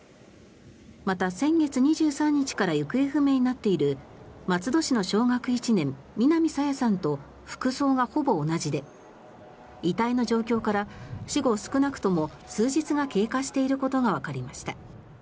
また、先月２３日から行方不明になっている松戸市の小学１年南朝芽さんと服装がほぼ同じで遺体の状況から死後少なくとも数日が経過していることがわかりました。